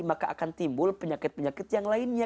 maka akan timbul penyakit penyakit yang lainnya